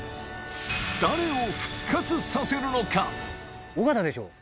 誰を復活させるのか？